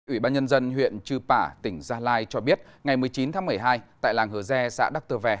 ủy ban nhân dân huyện chư pả tỉnh gia lai cho biết ngày một mươi chín tháng một mươi hai tại làng hờ re xã đắc tơ vè